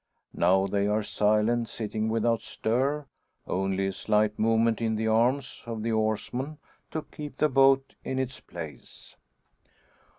Now they are silent, sitting without stir; only a slight movement in the arms of the oarsman to keep the boat in its place.